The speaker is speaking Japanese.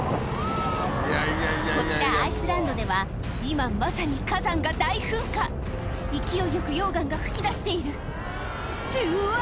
こちらアイスランドでは今まさに火山が大噴火勢いよく溶岩が噴き出しているってうわ